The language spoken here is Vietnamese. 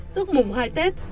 tức mùng hai tết